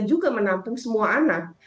juga menampung semua anak